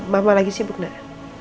mama lagi sibuk nek